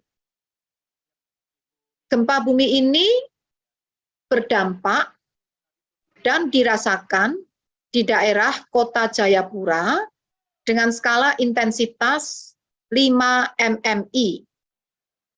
dan satu ratus empat puluh tujuh puluh derajat hujur timur atau tepatnya berlokasi di daerah jayapura pada pukul tiga belas dua puluh delapan waktu indonesia timur